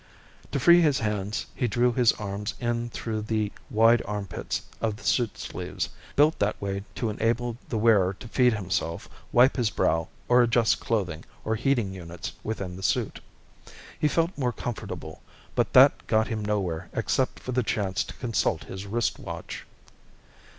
To free his hands, he drew his arms in through the wide armpits of the suit sleeves, built that way to enable the wearer to feed himself, wipe his brow, or adjust clothing or heating units within the suit. He felt more comfortable but that got him nowhere except for the chance to consult his wrist watch.